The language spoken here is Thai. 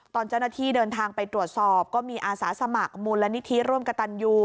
ตอนเจ้าหน้าที่เดินทางไปตรวจสอบก็มีอาสาสมัครมูลนิธิร่วมกับตันยู